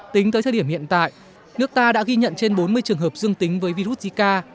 tính tới thời điểm hiện tại nước ta đã ghi nhận trên bốn mươi trường hợp dương tính với virus zika